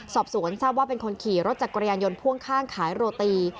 สอบสวนทราบว่าเป็นคนขี่รถจักรยานยนต์พ่วงข้างขายโรตี